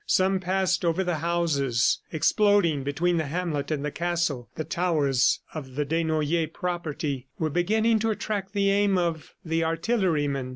Some passed over the houses, exploding between the hamlet and the castle. The towers of the Desnoyers property were beginning to attract the aim of the artillerymen.